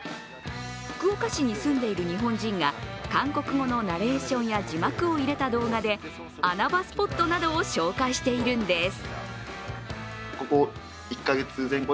福岡市に住んでいる日本人が韓国語のナレーションや字幕を入れた動画で穴場スポットなどを紹介しているんです。